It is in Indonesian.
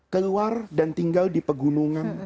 keluar dan tinggal di pegunungan